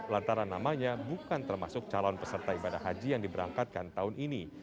lantaran namanya bukan termasuk calon peserta ibadah haji yang diberangkatkan tahun ini